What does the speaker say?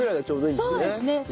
そうですね。